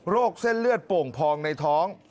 เส้นเลือดโป่งพองในท้อง